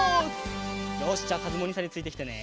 よしじゃあかずむおにいさんについてきてね。